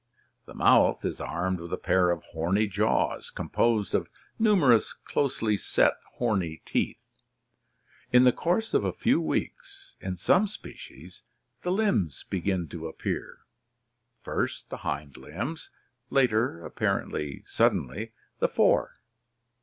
The mouth is armed with a pair of horny jaws composed of numerous closely set horny teeth. In the course of a few weeks, in some species, the limbs begin to appear, first the hind limbs, later, apparently sud denly, the fore.